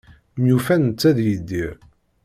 Myufan netta d Yidir.